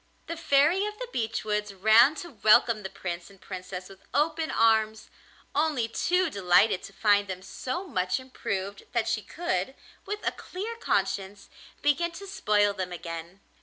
The Fairy of the Beech Woods ran to welcome the Prince and Princess with open arms, only too delighted to find them so much improved that she could, with a clear conscience, begin to spoil them again.